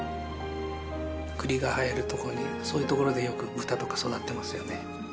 栗が生える所にそういう所でよく豚とか育ってますよね。